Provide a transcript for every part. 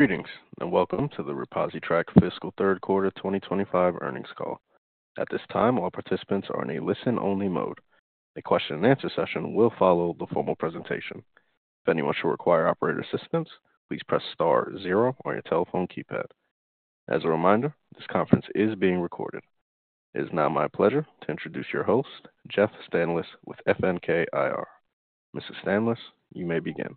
Greetings and welcome to the ReposiTrak Fiscal Third Quarter 2025 Earnings Call. At this time, all participants are in a listen-only mode. A question-and-answer session will follow the formal presentation. If anyone should require operator assistance, please press star zero on your telephone keypad. As a reminder, this conference is being recorded. It is now my pleasure to introduce your host, Jeff Stanlis, with FNK IR. Mr. Stanlis, you may begin.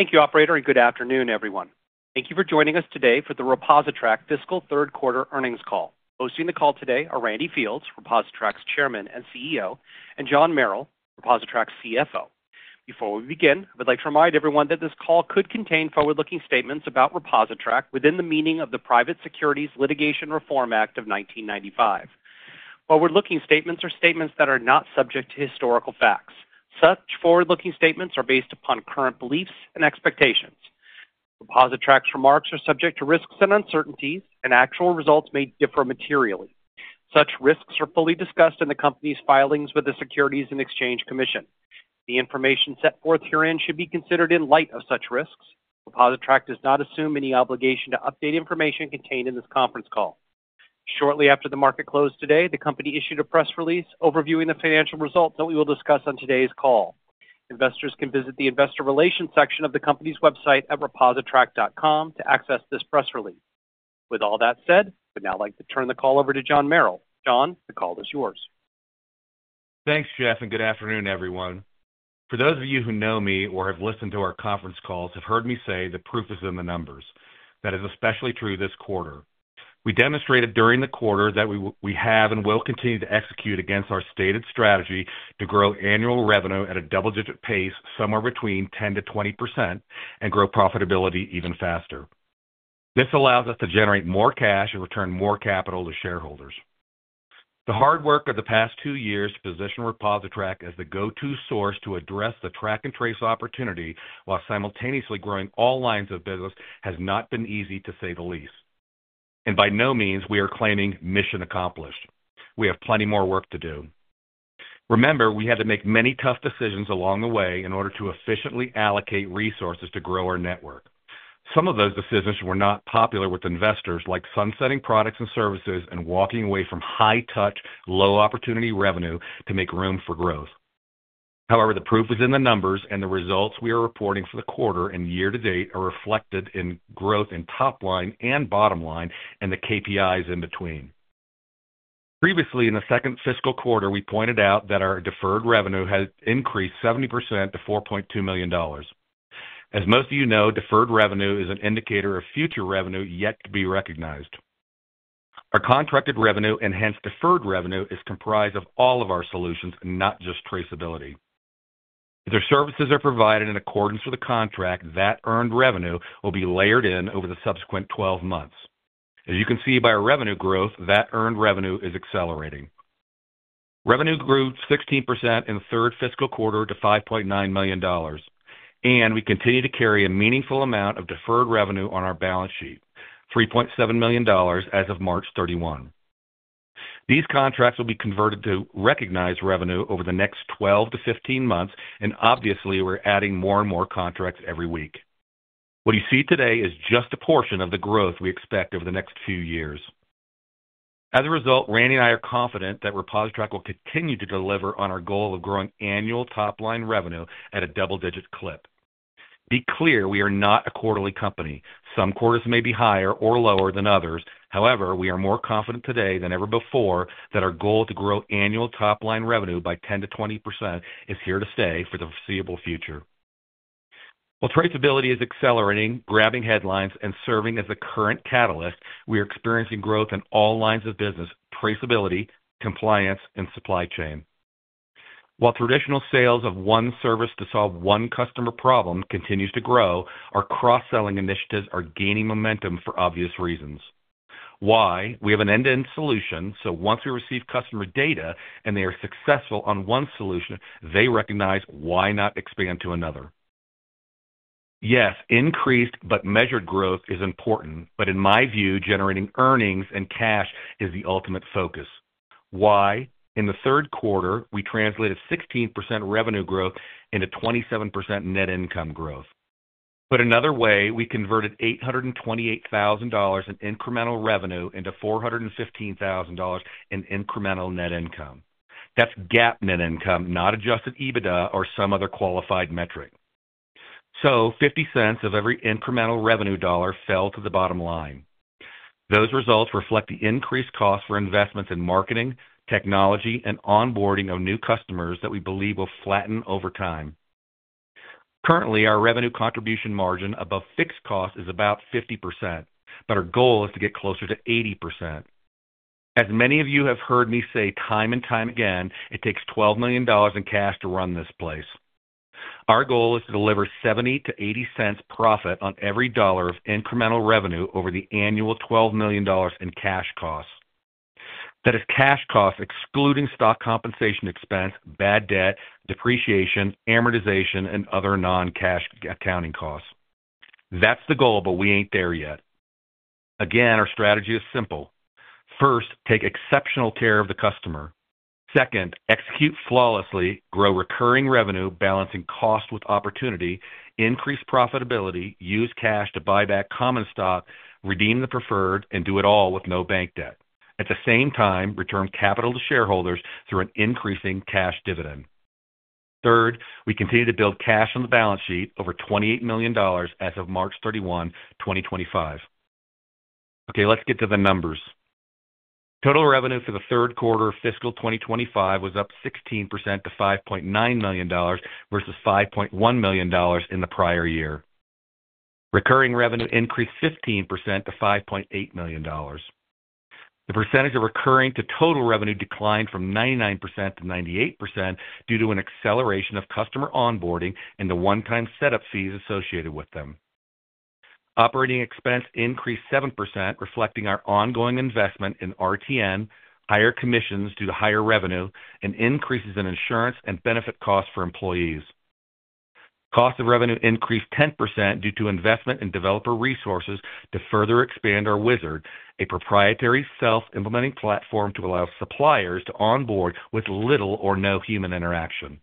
Thank you, Operator, and good afternoon, everyone. Thank you for joining us today for the ReposiTrak fiscal third quarter earnings call. Hosting the call today are Randy Fields, ReposiTrak's Chairman and CEO, and John Merrill, ReposiTrak's CFO. Before we begin, I would like to remind everyone that this call could contain forward-looking statements about ReposiTrak within the meaning of the Private Securities Litigation Reform Act of 1995. Forward-looking statements are statements that are not subject to historical facts. Such forward-looking statements are based upon current beliefs and expectations. ReposiTrak's remarks are subject to risks and uncertainties, and actual results may differ materially. Such risks are fully discussed in the company's filings with the Securities and Exchange Commission. The information set forth herein should be considered in light of such risks. ReposiTrak does not assume any obligation to update information contained in this conference call. Shortly after the market closed today, the company issued a press release overviewing the financial results that we will discuss on today's call. Investors can visit the investor relations section of the company's website at repositrak.com to access this press release. With all that said, I would now like to turn the call over to John Merrill. John, the call is yours. Thanks, Jeff, and good afternoon, everyone. For those of you who know me or have listened to our conference calls have heard me say, "The proof is in the numbers." That is especially true this quarter. We demonstrated during the quarter that we have and will continue to execute against our stated strategy to grow annual revenue at a double-digit pace somewhere between 10%-20% and grow profitability even faster. This allows us to generate more cash and return more capital to shareholders. The hard work of the past two years to position ReposiTrak as the go-to source to address the track and trace opportunity while simultaneously growing all lines of business has not been easy, to say the least. By no means are we claiming mission accomplished. We have plenty more work to do. Remember, we had to make many tough decisions along the way in order to efficiently allocate resources to grow our network. Some of those decisions were not popular with investors like sunsetting products and services and walking away from high-touch, low-opportunity revenue to make room for growth. However, the proof is in the numbers, and the results we are reporting for the quarter and year to date are reflected in growth in top line and bottom line and the KPIs in between. Previously, in the second fiscal quarter, we pointed out that our deferred revenue had increased 70% to $4.2 million. As most of you know, deferred revenue is an indicator of future revenue yet to be recognized. Our contracted revenue and hence deferred revenue is comprised of all of our solutions, not just traceability. If their services are provided in accordance with the contract, that earned revenue will be layered in over the subsequent 12 months. As you can see by our revenue growth, that earned revenue is accelerating. Revenue grew 16% in the third fiscal quarter to $5.9 million, and we continue to carry a meaningful amount of deferred revenue on our balance sheet, $3.7 million as of March 31. These contracts will be converted to recognized revenue over the next 12-15 months, and obviously, we're adding more and more contracts every week. What you see today is just a portion of the growth we expect over the next few years. As a result, Randy and I are confident that ReposiTrak will continue to deliver on our goal of growing annual top line revenue at a double-digit clip. Be clear, we are not a quarterly company. Some quarters may be higher or lower than others. However, we are more confident today than ever before that our goal to grow annual top line revenue by 10%-20% is here to stay for the foreseeable future. While traceability is accelerating, grabbing headlines, and serving as a current catalyst, we are experiencing growth in all lines of business: traceability, compliance, and supply chain. While traditional sales of one service to solve one customer problem continues to grow, our cross-selling initiatives are gaining momentum for obvious reasons. Why? We have an end-to-end solution, so once we receive customer data and they are successful on one solution, they recognize why not expand to another. Yes, increased but measured growth is important, but in my view, generating earnings and cash is the ultimate focus. Why? In the third quarter, we translated 16% revenue growth into 27% net income growth. Put another way, we converted $828,000 in incremental revenue into $415,000 in incremental net income. That's GAAP net income, not adjusted EBITDA or some other qualified metric. $0.50 of every incremental revenue dollar fell to the bottom line. Those results reflect the increased costs for investments in marketing, technology, and onboarding of new customers that we believe will flatten over time. Currently, our revenue contribution margin above fixed costs is about 50%, but our goal is to get closer to 80%. As many of you have heard me say time and time again, it takes $12 million in cash to run this place. Our goal is to deliver $0.70-$0.80 profit on every dollar of incremental revenue over the annual $12 million in cash costs. That is cash costs excluding stock compensation expense, bad debt, depreciation, amortization, and other non-cash accounting costs. That's the goal, but we ain't there yet. Again, our strategy is simple. First, take exceptional care of the customer. Second, execute flawlessly, grow recurring revenue, balancing cost with opportunity, increase profitability, use cash to buy back common stock, redeem the preferred, and do it all with no bank debt. At the same time, return capital to shareholders through an increasing cash dividend. Third, we continue to build cash on the balance sheet over $28 million as of March 31, 2025. Okay, let's get to the numbers. Total revenue for the third quarter of fiscal 2025 was up 16% to $5.9 million versus $5.1 million in the prior year. Recurring revenue increased 15% to $5.8 million. The percentage of recurring to total revenue declined from 99% to 98% due to an acceleration of customer onboarding and the one-time setup fees associated with them. Operating expense increased 7%, reflecting our ongoing investment in RTN, higher commissions due to higher revenue, and increases in insurance and benefit costs for employees. Cost of revenue increased 10% due to investment in developer resources to further expand our Wizard, a proprietary self-implementing platform to allow suppliers to onboard with little or no human interaction.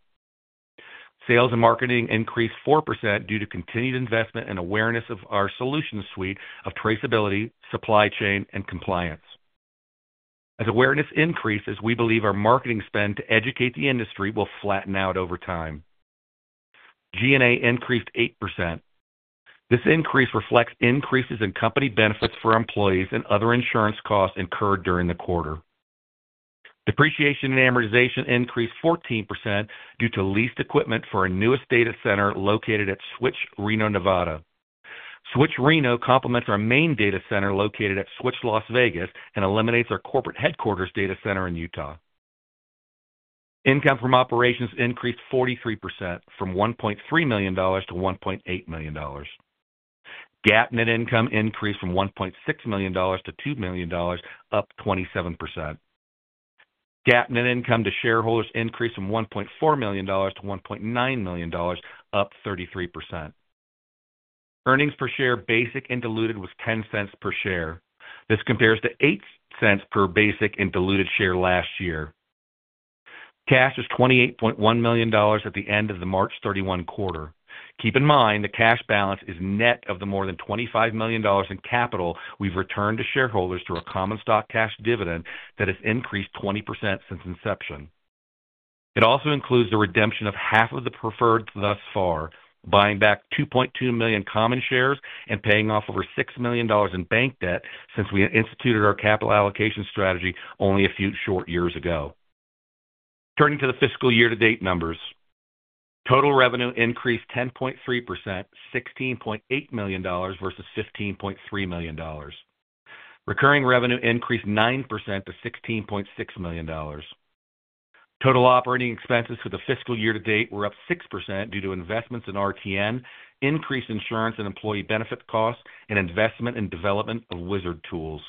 Sales and marketing increased 4% due to continued investment and awareness of our solution suite of traceability, supply chain, and compliance. As awareness increases, we believe our marketing spend to educate the industry will flatten out over time. G&A increased 8%. This increase reflects increases in company benefits for employees and other insurance costs incurred during the quarter. Depreciation and amortization increased 14% due to leased equipment for our newest data center located at Switch Reno, Nevada. Switch Reno complements our main data center located at Switch Las Vegas and eliminates our corporate headquarters data center in Utah. Income from operations increased 43% from $1.3 million to $1.8 million. GAAP net income increased from $1.6 million to $2 million, up 27%. GAAP net income to shareholders increased from $1.4 million to $1.9 million, up 33%. Earnings per share basic and diluted was $0.10 per share. This compares to $0.08 per basic and diluted share last year. Cash is $28.1 million at the end of the March 31 quarter. Keep in mind the cash balance is net of the more than $25 million in capital we've returned to shareholders through a common stock cash dividend that has increased 20% since inception. It also includes the redemption of half of the preferred thus far, buying back 2.2 million common shares and paying off over $6 million in bank debt since we instituted our capital allocation strategy only a few short years ago. Turning to the fiscal year-to-date numbers, total revenue increased 10.3%, $16.8 million versus $15.3 million. Recurring revenue increased 9% to $16.6 million. Total operating expenses for the fiscal year-to-date were up 6% due to investments in RTN, increased insurance and employee benefit costs, and investment in development of Wizard tools.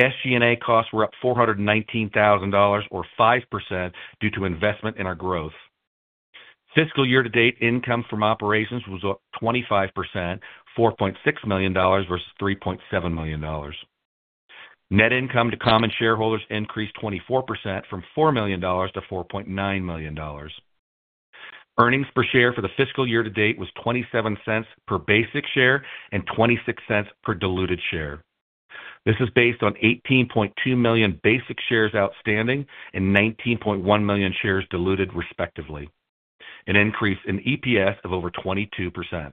SG&A costs were up $419,000 or 5% due to investment in our growth. Fiscal year-to-date income from operations was up 25%, $4.6 million versus $3.7 million. Net income to common shareholders increased 24% from $4 million to $4.9 million. Earnings per share for the fiscal year-to-date was $0.27 per basic share and $0.26 per diluted share. This is based on 18.2 million basic shares outstanding and 19.1 million shares diluted, respectively. An increase in EPS of over 22%.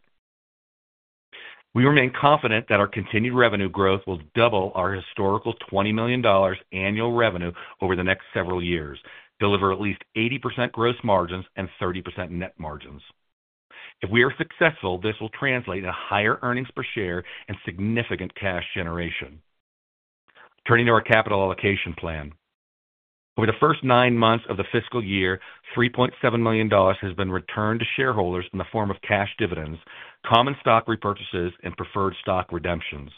We remain confident that our continued revenue growth will double our historical $20 million annual revenue over the next several years, deliver at least 80% gross margins and 30% net margins. If we are successful, this will translate into higher earnings per share and significant cash generation. Turning to our capital allocation plan. Over the first nine months of the fiscal year, $3.7 million has been returned to shareholders in the form of cash dividends, common stock repurchases, and preferred stock redemptions.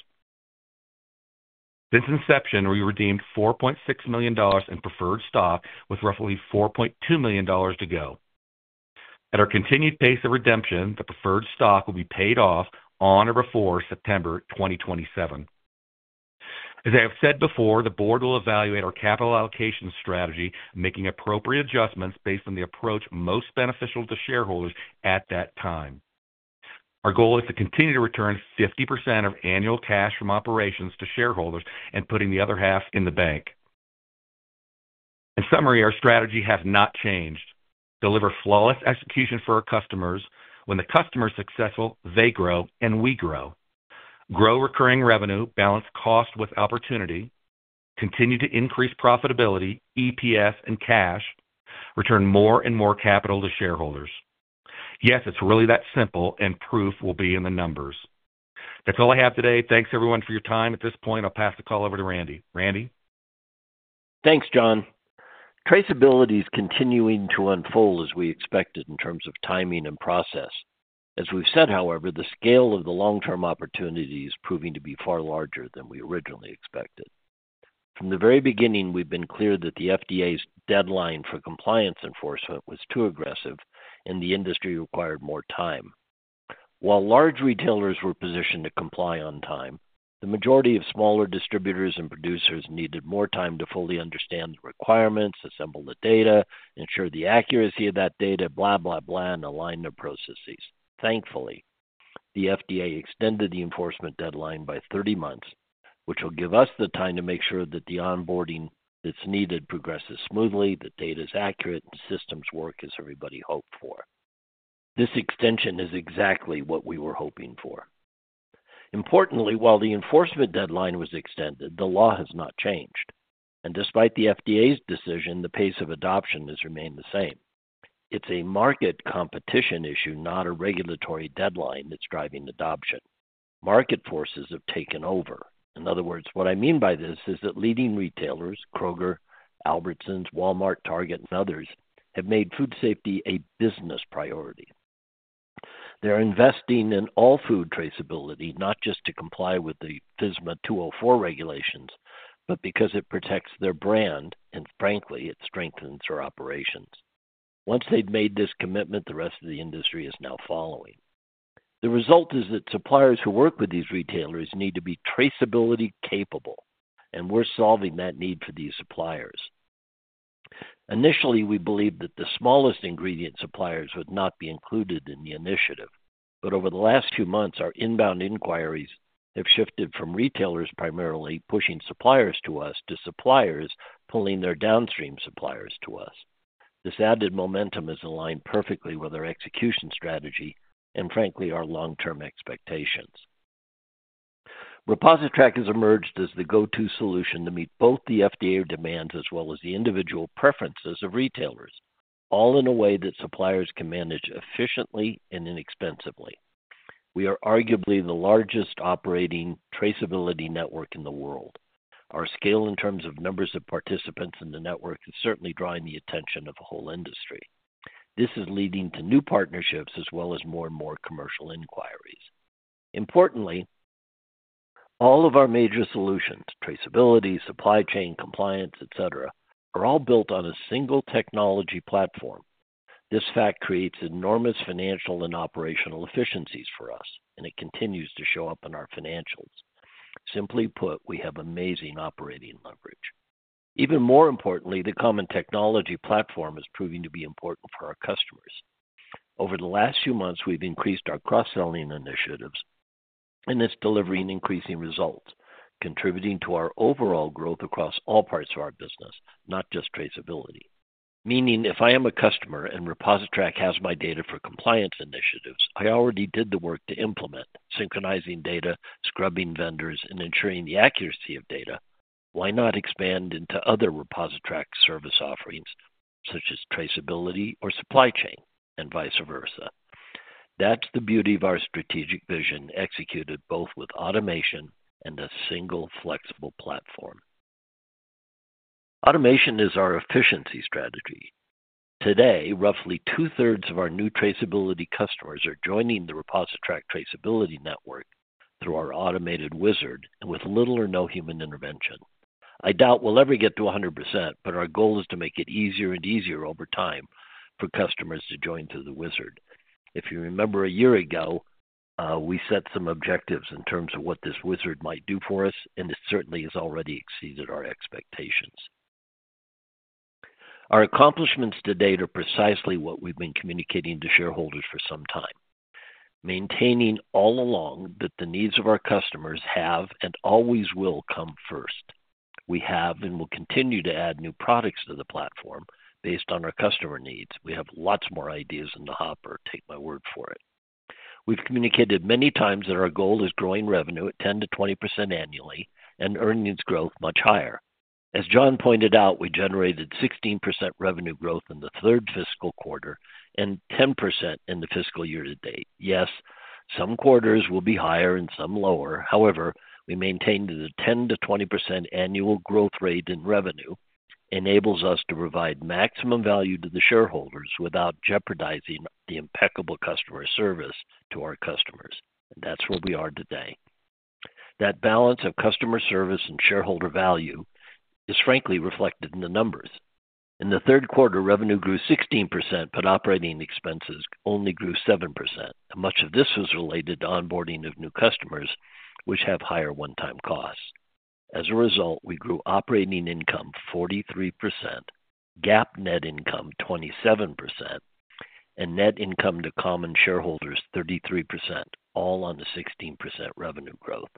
Since inception, we redeemed $4.6 million in preferred stock with roughly $4.2 million to go. At our continued pace of redemption, the preferred stock will be paid off on or before September 2027. As I have said before, the board will evaluate our capital allocation strategy, making appropriate adjustments based on the approach most beneficial to shareholders at that time. Our goal is to continue to return 50% of annual cash from operations to shareholders and putting the other half in the bank. In summary, our strategy has not changed. Deliver flawless execution for our customers. When the customer is successful, they grow and we grow. Grow recurring revenue, balance cost with opportunity, continue to increase profitability, EPS, and cash, return more and more capital to shareholders. Yes, it's really that simple, and proof will be in the numbers. That's all I have today. Thanks, everyone, for your time. At this point, I'll pass the call over to Randy. Randy? Thanks, John. Traceability is continuing to unfold as we expected in terms of timing and process. As we've said, however, the scale of the long-term opportunity is proving to be far larger than we originally expected. From the very beginning, we've been clear that the FDA's deadline for compliance enforcement was too aggressive, and the industry required more time. While large retailers were positioned to comply on time, the majority of smaller distributors and producers needed more time to fully understand the requirements, assemble the data, ensure the accuracy of that data, and align their processes. Thankfully, the FDA extended the enforcement deadline by 30 months, which will give us the time to make sure that the onboarding that's needed progresses smoothly, the data is accurate, and systems work as everybody hoped for. This extension is exactly what we were hoping for. Importantly, while the enforcement deadline was extended, the law has not changed. Despite the FDA's decision, the pace of adoption has remained the same. It's a market competition issue, not a regulatory deadline that's driving adoption. Market forces have taken over. In other words, what I mean by this is that leading retailers, Kroger, Albertsons, Walmart, Target, and others, have made food safety a business priority. They're investing in all food traceability, not just to comply with the FSMA 204 regulations, but because it protects their brand and, frankly, it strengthens their operations. Once they've made this commitment, the rest of the industry is now following. The result is that suppliers who work with these retailers need to be traceability capable, and we're solving that need for these suppliers. Initially, we believed that the smallest ingredient suppliers would not be included in the initiative, but over the last few months, our inbound inquiries have shifted from retailers primarily pushing suppliers to us to suppliers pulling their downstream suppliers to us. This added momentum has aligned perfectly with our execution strategy and, frankly, our long-term expectations. ReposiTrak has emerged as the go-to solution to meet both the FDA demands as well as the individual preferences of retailers, all in a way that suppliers can manage efficiently and inexpensively. We are arguably the largest operating traceability network in the world. Our scale in terms of numbers of participants in the network is certainly drawing the attention of the whole industry. This is leading to new partnerships as well as more and more commercial inquiries. Importantly, all of our major solutions—traceability, supply chain, compliance, etc.—are all built on a single technology platform. This fact creates enormous financial and operational efficiencies for us, and it continues to show up in our financials. Simply put, we have amazing operating leverage. Even more importantly, the common technology platform is proving to be important for our customers. Over the last few months, we've increased our cross-selling initiatives, and it's delivering increasing results, contributing to our overall growth across all parts of our business, not just traceability. Meaning, if I am a customer and ReposiTrak has my data for compliance initiatives, I already did the work to implement, synchronizing data, scrubbing vendors, and ensuring the accuracy of data. Why not expand into other ReposiTrak service offerings such as traceability or supply chain and vice versa? That's the beauty of our strategic vision, executed both with automation and a single flexible platform. Automation is our efficiency strategy. Today, roughly 2/3 of our new traceability customers are joining the ReposiTrak Traceability Network through our automated Wizard and with little or no human intervention. I doubt we'll ever get to 100%, but our goal is to make it easier and easier over time for customers to join through the Wizard. If you remember a year ago, we set some objectives in terms of what this Wizard might do for us, and it certainly has already exceeded our expectations. Our accomplishments to date are precisely what we've been communicating to shareholders for some time. Maintaining all along that the needs of our customers have and always will come first. We have and will continue to add new products to the platform based on our customer needs. We have lots more ideas in the hopper, take my word for it. We've communicated many times that our goal is growing revenue at 10%-20% annually and earnings growth much higher. As John pointed out, we generated 16% revenue growth in the third fiscal quarter and 10% in the fiscal year-to-date. Yes, some quarters will be higher and some lower. However, we maintained the 10%-20% annual growth rate in revenue enables us to provide maximum value to the shareholders without jeopardizing the impeccable customer service to our customers. That is where we are today. That balance of customer service and shareholder value is, frankly, reflected in the numbers. In the third quarter, revenue grew 16%, but operating expenses only grew 7%. Much of this was related to onboarding of new customers, which have higher one-time costs. As a result, we grew operating income 43%, GAAP net income 27%, and net income to common shareholders 33%, all on the 16% revenue growth.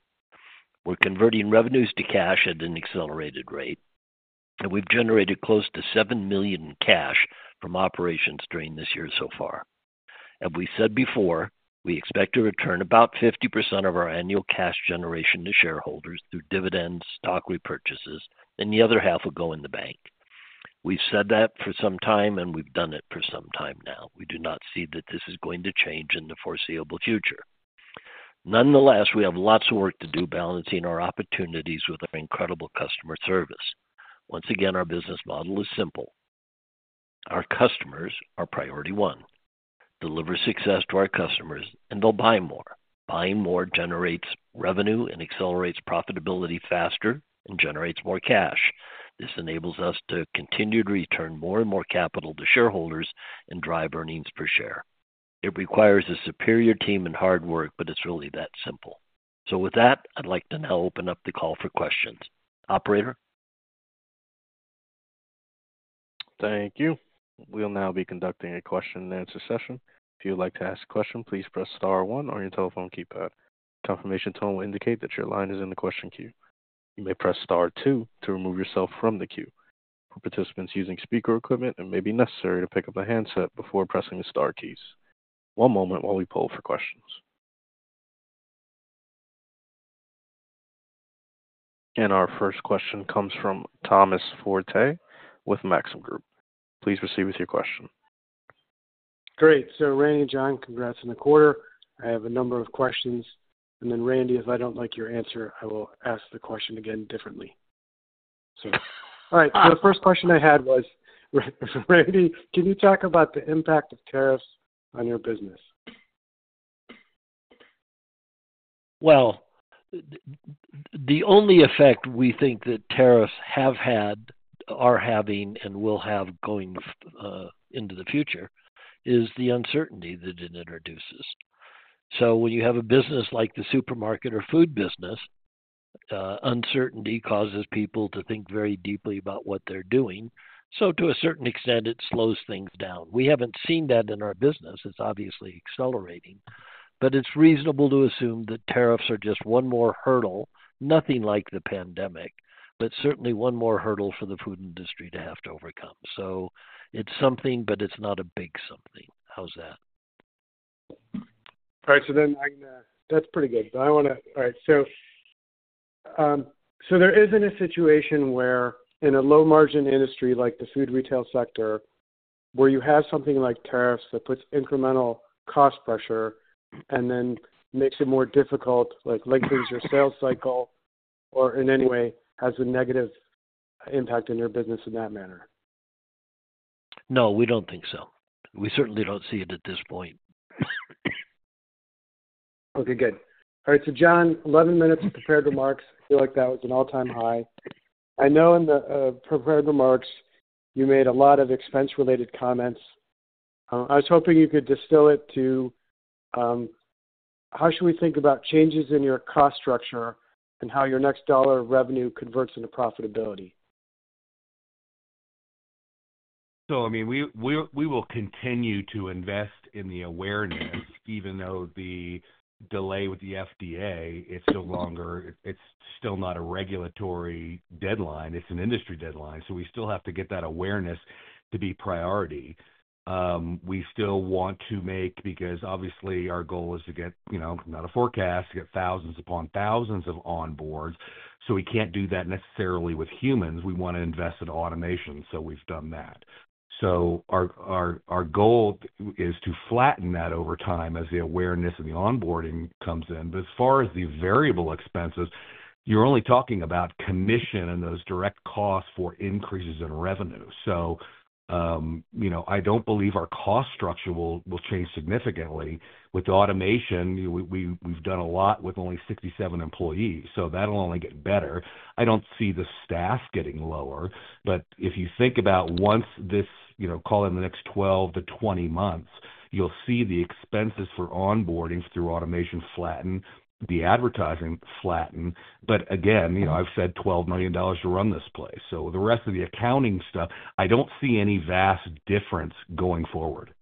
We're converting revenues to cash at an accelerated rate, and we've generated close to $7 million in cash from operations during this year so far. As we said before, we expect to return about 50% of our annual cash generation to shareholders through dividends, stock repurchases, and the other half will go in the bank. We've said that for some time, and we've done it for some time now. We do not see that this is going to change in the foreseeable future. Nonetheless, we have lots of work to do balancing our opportunities with our incredible customer service. Once again, our business model is simple. Our customers are priority one. Deliver success to our customers, and they'll buy more. Buying more generates revenue and accelerates profitability faster and generates more cash. This enables us to continue to return more and more capital to shareholders and drive earnings per share. It requires a superior team and hard work, but it's really that simple. With that, I'd like to now open up the call for questions. Operator? Thank you. We'll now be conducting a question-and-answer session. If you'd like to ask a question, please press star one on your telephone keypad. A confirmation tone will indicate that your line is in the question queue. You may press star two to remove yourself from the queue. For participants using speaker equipment, it may be necessary to pick up a handset before pressing the star keys. One moment while we pull for questions. Our first question comes from Thomas Forte with Maxim Group. Please proceed with your question. Great. Randy and John, congrats on the quarter. I have a number of questions. Randy, if I don't like your answer, I will ask the question again differently. All right. The first question I had was, Randy, can you talk about the impact of tariffs on your business? The only effect we think that tariffs have had, are having, and will have going into the future is the uncertainty that it introduces. When you have a business like the supermarket or food business, uncertainty causes people to think very deeply about what they're doing. To a certain extent, it slows things down. We haven't seen that in our business. It's obviously accelerating, but it's reasonable to assume that tariffs are just one more hurdle, nothing like the pandemic, but certainly one more hurdle for the food industry to have to overcome. It's something, but it's not a big something. How's that? All right. So then I can—that's pretty good. I want to—all right. There isn't a situation where in a low-margin industry like the food retail sector where you have something like tariffs that puts incremental cost pressure and then makes it more difficult, like lengthens your sales cycle or in any way has a negative impact on your business in that manner? No, we don't think so. We certainly don't see it at this point. Okay. Good. All right. So John, 11 minutes of prepared remarks. I feel like that was an all-time high. I know in the prepared remarks, you made a lot of expense-related comments. I was hoping you could distill it to how should we think about changes in your cost structure and how your next dollar of revenue converts into profitability? I mean, we will continue to invest in the awareness, even though the delay with the FDA, it's still longer. It's still not a regulatory deadline. It's an industry deadline. We still have to get that awareness to be priority. We still want to make—because obviously our goal is to get—not a forecast—to get thousands upon thousands of onboards. We can't do that necessarily with humans. We want to invest in automation. We've done that. Our goal is to flatten that over time as the awareness and the onboarding comes in. As far as the variable expenses, you're only talking about commission and those direct costs for increases in revenue. I don't believe our cost structure will change significantly. With automation, we've done a lot with only 67 employees. That'll only get better. I don't see the staff getting lower. If you think about once this—call it the next 12-20 months—you'll see the expenses for onboarding through automation flatten, the advertising flatten. Again, I've said $12 million to run this place. The rest of the accounting stuff, I don't see any vast difference going forward.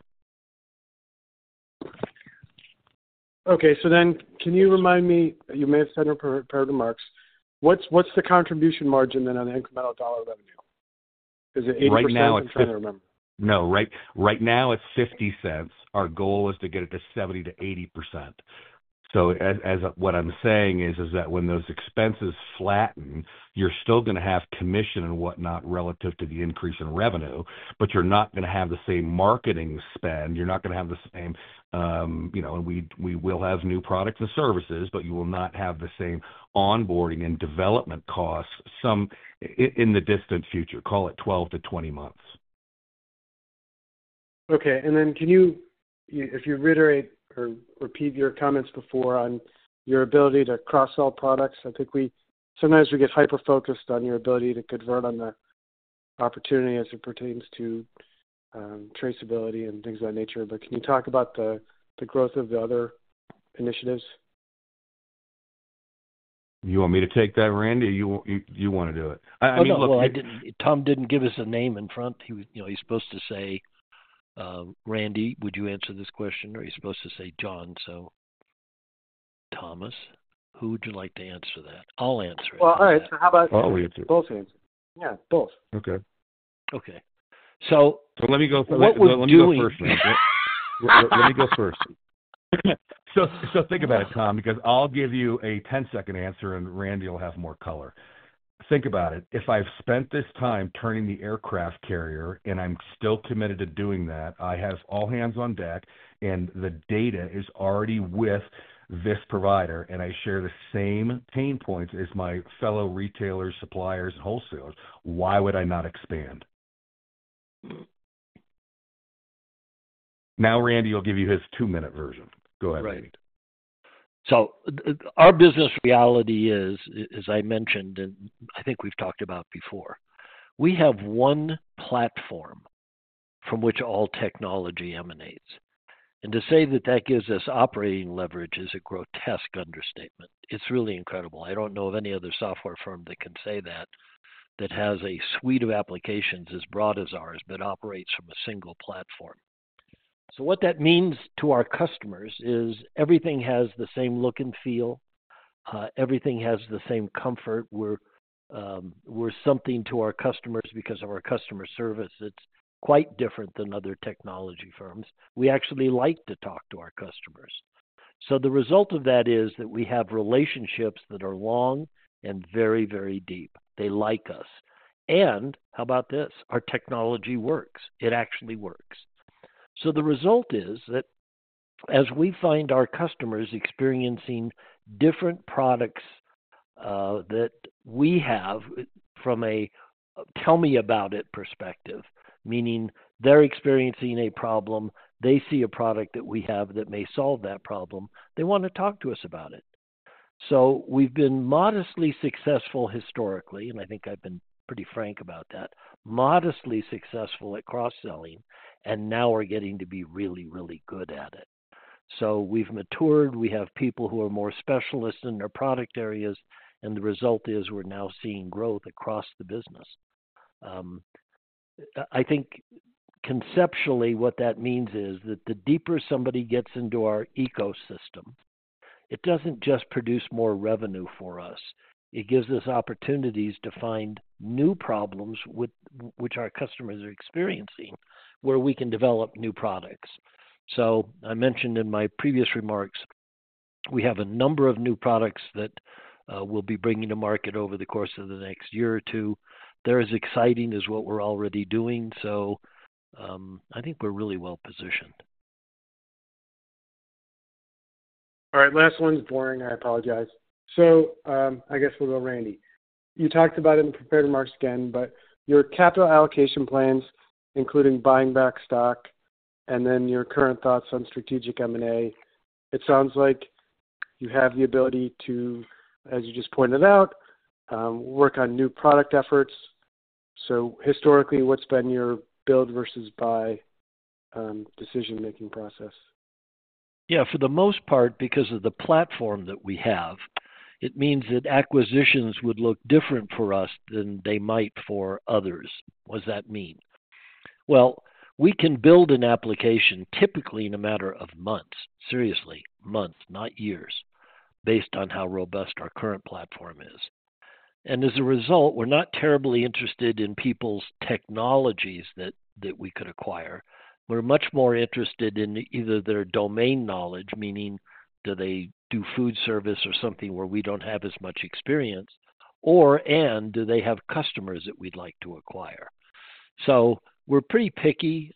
Okay. So then can you remind me—you may have said in your prepared remarks—what's the contribution margin then on the incremental dollar revenue? Is it 80%? Right now it's— I'm trying to remember. No. Right now it's $0.50. Our goal is to get it to 70%-80%. So what I'm saying is that when those expenses flatten, you're still going to have commission and whatnot relative to the increase in revenue, but you're not going to have the same marketing spend. You're not going to have the same—and we will have new products and services, but you will not have the same onboarding and development costs in the distant future. Call it 12-20 months. Okay. Can you, if you reiterate or repeat your comments before on your ability to cross-sell products? I think sometimes we get hyper-focused on your ability to convert on the opportunity as it pertains to traceability and things of that nature. Can you talk about the growth of the other initiatives? You want me to take that, Randy? You want to do it. I mean, look. Tom didn't give us a name in front. He's supposed to say, "Randy, would you answer this question?" Or he's supposed to say, "John." So Thomas, who would you like to answer that? I'll answer it. All right. So how about both answer. Yeah. Both. Okay. Okay. So-- Let me go first. Let me go first. So think about it, Tom, because I'll give you a 10-second answer, and Randy will have more color. Think about it. If I've spent this time turning the aircraft carrier and I'm still committed to doing that, I have all hands on deck, and the data is already with this provider, and I share the same pain points as my fellow retailers, suppliers, and wholesalers, why would I not expand? Now, Randy will give you his two-minute version. Go ahead, Randy. Right. Our business reality is, as I mentioned, and I think we've talked about before, we have one platform from which all technology emanates. To say that that gives us operating leverage is a grotesque understatement. It's really incredible. I don't know of any other software firm that can say that, that has a suite of applications as broad as ours, but operates from a single platform. What that means to our customers is everything has the same look and feel. Everything has the same comfort. We're something to our customers because of our customer service. It's quite different than other technology firms. We actually like to talk to our customers. The result of that is that we have relationships that are long and very, very deep. They like us. How about this? Our technology works. It actually works. The result is that as we find our customers experiencing different products that we have from a tell-me-about-it perspective, meaning they're experiencing a problem, they see a product that we have that may solve that problem, they want to talk to us about it. We've been modestly successful historically, and I think I've been pretty frank about that, modestly successful at cross-selling, and now we're getting to be really, really good at it. We've matured. We have people who are more specialists in their product areas, and the result is we're now seeing growth across the business. I think conceptually what that means is that the deeper somebody gets into our ecosystem, it doesn't just produce more revenue for us. It gives us opportunities to find new problems which our customers are experiencing where we can develop new products. As I mentioned in my previous remarks, we have a number of new products that we'll be bringing to market over the course of the next year or two. They're as exciting as what we're already doing. I think we're really well positioned. All right. Last one's boring. I apologize. I guess we'll go, Randy. You talked about it in the prepared remarks again, but your capital allocation plans, including buying back stock and then your current thoughts on strategic M&A, it sounds like you have the ability to, as you just pointed out, work on new product efforts. Historically, what's been your build versus buy decision-making process? Yeah. For the most part, because of the platform that we have, it means that acquisitions would look different for us than they might for others. What does that mean? We can build an application typically in a matter of months. Seriously, months, not years, based on how robust our current platform is. As a result, we're not terribly interested in people's technologies that we could acquire. We're much more interested in either their domain knowledge, meaning do they do food service or something where we don't have as much experience, or do they have customers that we'd like to acquire. We're pretty picky.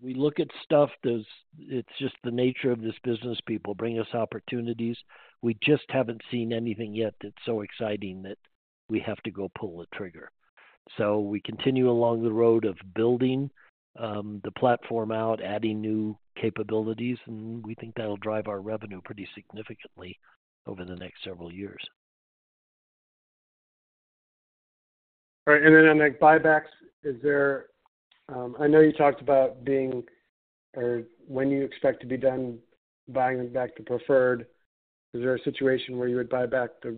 We look at stuff. It's just the nature of this business. People bring us opportunities. We just haven't seen anything yet that's so exciting that we have to go pull the trigger. We continue along the road of building the platform out, adding new capabilities, and we think that'll drive our revenue pretty significantly over the next several years. All right. And then on buybacks, is there—I know you talked about being—or when you expect to be done buying back the preferred. Is there a situation where you would buy back the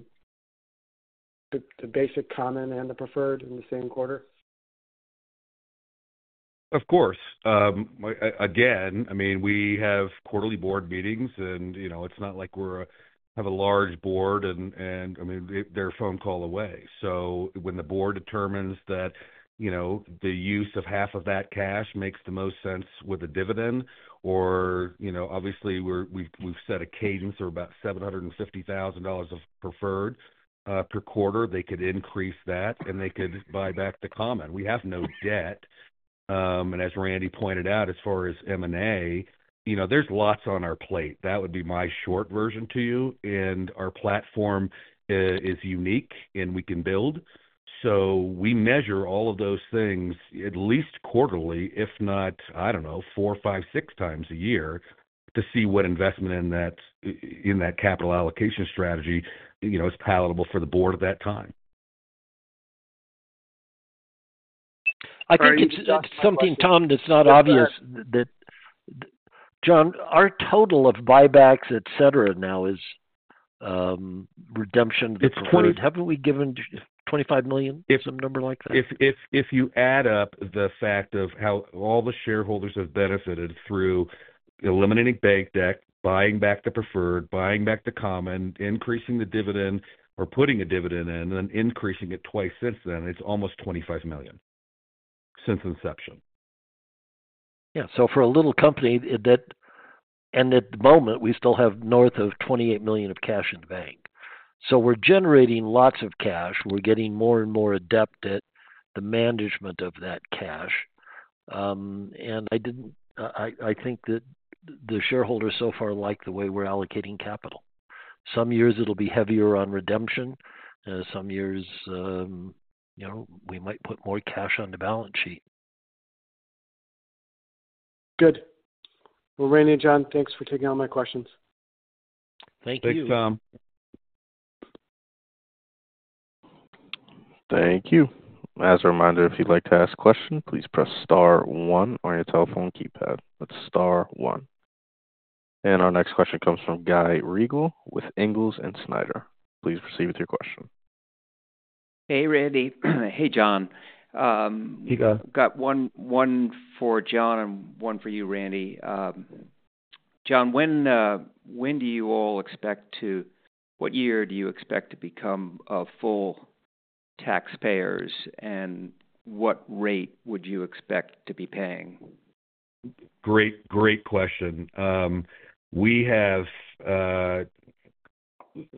basic common and the preferred in the same quarter? Of course. Again, I mean, we have quarterly board meetings, and it's not like we have a large board, and I mean, they're a phone call away. When the board determines that the use of half of that cash makes the most sense with a dividend, or obviously we've set a cadence of about $750,000 of preferred per quarter, they could increase that, and they could buy back the common. We have no debt. As Randy pointed out, as far as M&A, there's lots on our plate. That would be my short version to you. Our platform is unique, and we can build. We measure all of those things at least quarterly, if not, I don't know, 4x, 5x, 6x a year to see what investment in that capital allocation strategy is palatable for the board at that time. I think it's something, Tom, that's not obvious that, John, our total of buybacks, et cetera, now is redemption deposits. Haven't we given $25 million? Some number like that? If you add up the fact of how all the shareholders have benefited through eliminating bank debt, buying back the preferred, buying back the common, increasing the dividend, or putting a dividend in, and then increasing it twice since then, it's almost $25 million since inception. Yeah. For a little company that, at the moment, we still have north of $28 million of cash in the bank. We are generating lots of cash. We are getting more and more adept at the management of that cash. I think that the shareholders so far like the way we are allocating capital. Some years, it will be heavier on redemption. Some years, we might put more cash on the balance sheet. Good. Randy and John, thanks for taking all my questions. Thank you. Thanks, Tom. Thank you. As a reminder, if you'd like to ask a question, please press star one on your telephone keypad. That's star one. Our next question comes from Guy Riegel with Ingalls & Snyder. Please proceed with your question. Hey, Randy. Hey, John. Hey, Guy. Got one for John and one for you, Randy. John, when do you all expect to—what year do you expect to become full taxpayers, and what rate would you expect to be paying? Great question.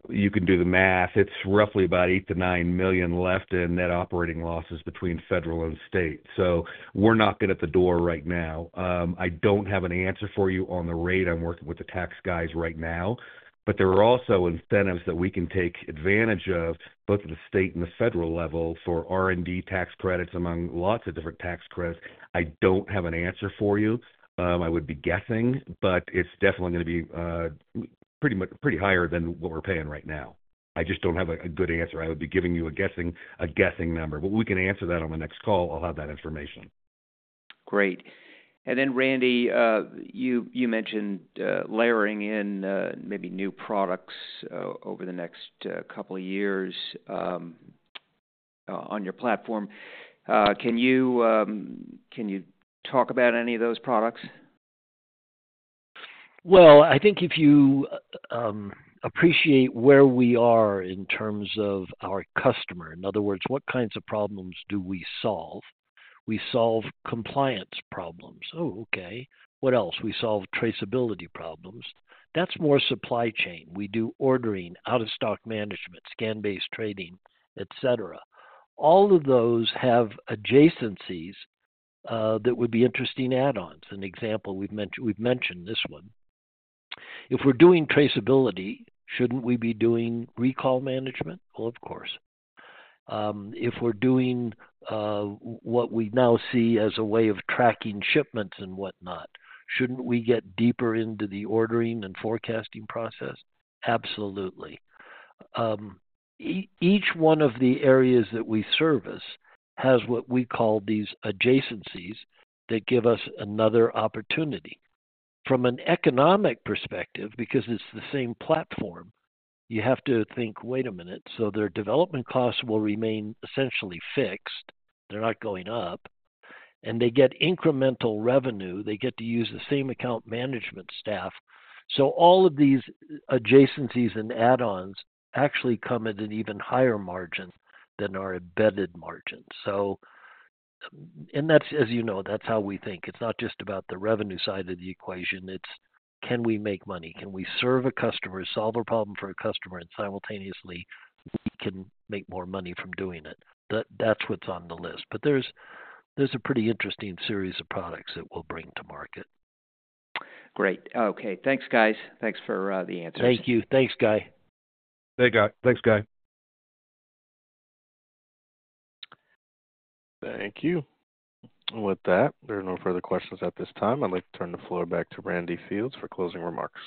You can do the math. It's roughly about $8 million-$9 million left in net operating losses between federal and state. So we're knocking at the door right now. I don't have an answer for you on the rate I'm working with the tax guys right now, but there are also incentives that we can take advantage of, both at the state and the federal level, for R&D tax credits among lots of different tax credits. I don't have an answer for you. I would be guessing, but it's definitely going to be pretty higher than what we're paying right now. I just don't have a good answer. I would be giving you a guessing number. We can answer that on the next call. I'll have that information. Great. Randy, you mentioned layering in maybe new products over the next couple of years on your platform. Can you talk about any of those products? I think if you appreciate where we are in terms of our customer, in other words, what kinds of problems do we solve? We solve compliance problems. Oh, okay. What else? We solve traceability problems. That's more supply chain. We do ordering, out-of-stock management, scan-based trading, et cetera. All of those have adjacencies that would be interesting add-ons. An example, we've mentioned this one. If we're doing traceability, shouldn't we be doing recall management? Well, of course. If we're doing what we now see as a way of tracking shipments and whatnot, shouldn't we get deeper into the ordering and forecasting process? Absolutely. Each one of the areas that we service has what we call these adjacencies that give us another opportunity. From an economic perspective, because it's the same platform, you have to think, "Wait a minute." So their development costs will remain essentially fixed. They're not going up. They get incremental revenue. They get to use the same account management staff. All of these adjacencies and add-ons actually come at an even higher margin than our embedded margin. As you know, that's how we think. It's not just about the revenue side of the equation. It's, "Can we make money? Can we serve a customer, solve a problem for a customer, and simultaneously, we can make more money from doing it?" That's what's on the list. There's a pretty interesting series of products that we'll bring to market. Great. Okay. Thanks, guys. Thanks for the answers. Thank you. Thanks, Guy. Thanks, Guy. Thank you. With that, there are no further questions at this time. I'd like to turn the floor back to Randy Fields for closing remarks.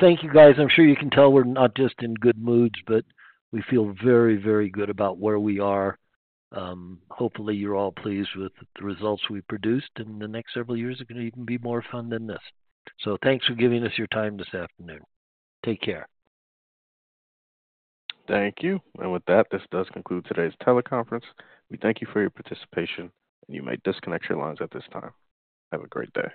Thank you, guys. I'm sure you can tell we're not just in good moods, but we feel very, very good about where we are. Hopefully, you're all pleased with the results we produced, and the next several years are going to even be more fun than this. Thanks for giving us your time this afternoon. Take care. Thank you. With that, this does conclude today's teleconference. We thank you for your participation, and you may disconnect your lines at this time. Have a great day.